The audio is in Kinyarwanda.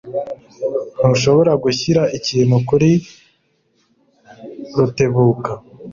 Ntushobora gushyira ikintu kuri Rutebuka.